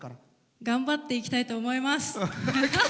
頑張っていきたいと思います。